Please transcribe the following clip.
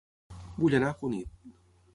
Vull anar a Cunit